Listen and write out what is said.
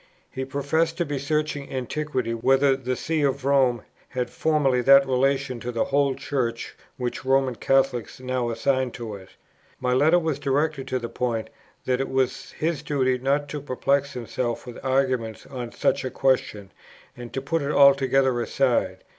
He professed to be searching Antiquity whether the see of Rome had formerly that relation to the whole Church which Roman Catholics now assign to it. My letter was directed to the point, that it was his duty not to perplex himself with arguments on [such] a question, ... and to put it altogether aside....